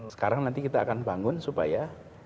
sekarang nanti kita akan bangun supaya